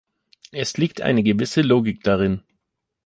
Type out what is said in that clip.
Es liegt eine gewisse Logik darin.